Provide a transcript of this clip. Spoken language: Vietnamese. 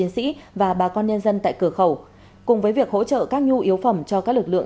xin chào các bạn